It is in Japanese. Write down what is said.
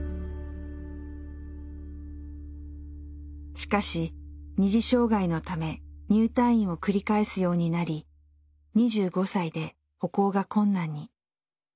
しかし二次障害のため入退院を繰り返すようになり２５歳で歩行が困難に。